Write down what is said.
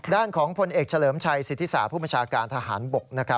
ด้านของพลเอกเฉลิมชัยศิษฐศาสตร์ผู้ประชาการทหารบก